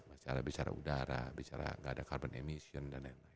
bicara bicara udara bicara gak ada carbon emission dan lain lain